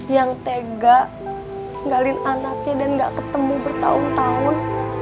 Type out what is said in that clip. yang tega ngalin anaknya dan nggak ketemu bertahun tahun